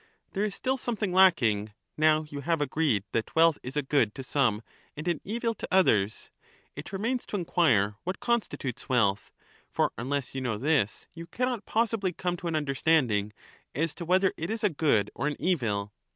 There is still something lacking, now you have agreed that [wealth] is a good to some and an evil to others. It remains to enquire what constitutes wealth ; for unless you know this, you cannot possibly come to an understanding as to whether it is a good or an evil.